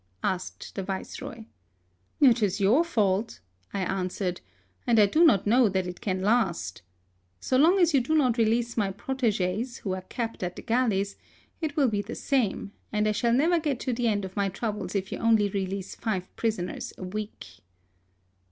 '' asked the Viceroy. " It is your fault," I answered ;" and I do not know that it can last. So long as you do not release my pro UgSSy who are kept at the galleys, it wiU be the same ; and I shall never get to the end of my troubles if you only release five pri soners a week."